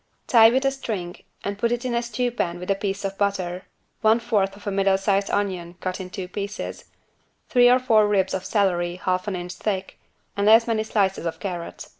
Tie with a string and put it in a stewpan with a piece of butter, one fourth of a middle sized onion cut in two pieces, three or four ribs of celery half an inch thick and as many slices of carrot.